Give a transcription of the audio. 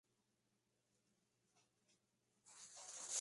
En el caso de las características de los niños de "¡Niños!